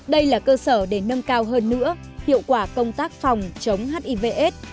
đây là cơ sở để nâng cao hơn nữa hiệu quả công tác phòng chống hivs